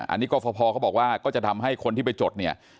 อันนี้กรฟภเขาบอกว่าก็จะทำให้คนที่ไปจดเนี่ย